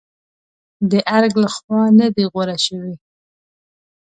د ارګ لخوا نه دي غوره شوې.